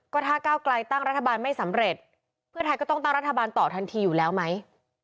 ก็ถ้าก้าวไกลตั้งรัฐบาลไม่สำเร็จเพื่อไทยก็ต้องตั้งรัฐบาลต่อทันทีอยู่แล้วไหม